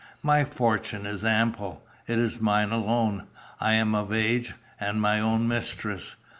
My fortune is ample. It is mine alone. I am of age, and my own mistress.